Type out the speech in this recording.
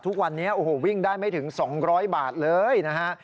ทุกวันนี้โอ้โหวิ่งได้ไม่ถึง๒๐๐บาทเลยนะฮะ